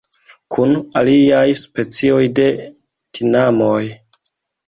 Kun aliaj specioj de tinamoj.